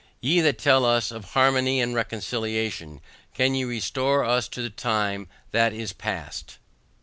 Ye that tell us of harmony and reconciliation, can ye restore to us the time that is past?